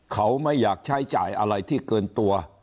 เขาไม่อยากใช้จ่ายอะไรที่เกินตัว